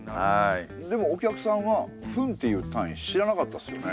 でもお客さんは「分」っていう単位知らなかったですよね。